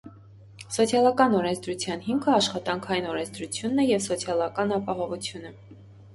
Սոցիալական օրենսդրության հիմքը աշխատանքային օրենսդրությունն է և սոցիալաական ապահովությունը։